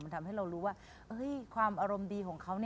ทำให้เรารู้ว่าความอารมณ์ดีของเขา